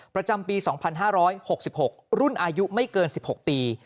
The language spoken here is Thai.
ประจำปี๒๕๖๖รุ่นอายุไม่เกิน๑๖ปี